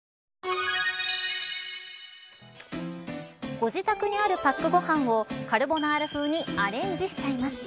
ご自宅にあるパックご飯をカルボナーラ風にアレンジしちゃいます。